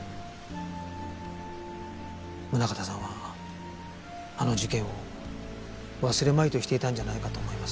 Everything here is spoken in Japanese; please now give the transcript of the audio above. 宗形さんはあの事件を忘れまいとしていたんじゃないかと思います。